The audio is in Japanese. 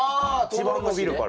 一番伸びるから。